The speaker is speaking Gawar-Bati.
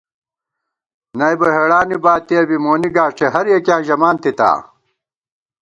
نئیبہ ہېڑانی باتِیَہ بی مونی گاݭٹے ہریَکِیاں ژمانتِتا